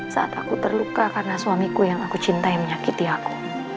saat aku terluka karena suamiku yang aku cintai menyakiti aku